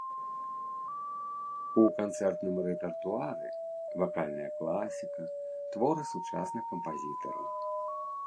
У канцэртным рэпертуары вакальная класіка, творы сучасных кампазітараў.